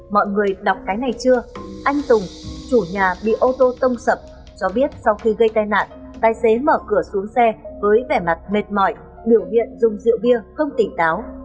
mọi người đọc cái này chưa anh tùng chủ nhà bị ô tô tông sập cho biết sau khi gây tai nạn tài xế mở cửa xuống xe với vẻ mặt mệt mỏi biểu hiện dùng rượu bia không tỉnh táo